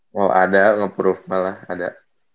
mau ada nge prove malah ada